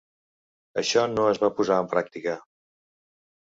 Això no es va posar en pràctica.